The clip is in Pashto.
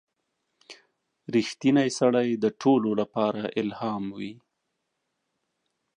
• رښتینی سړی د ټولو لپاره الهام وي.